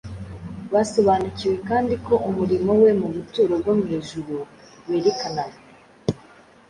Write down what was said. Basobanukiwe kandi ko umurimo we mu buturo bwo mu ijuru werekanaga